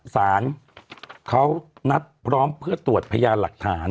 สารเขานัดพร้อมเพื่อตรวจพยานหลักฐาน